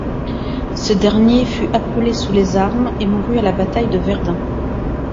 Ce dernier fut appelé sous les armes et mourut à la bataille de Verdun.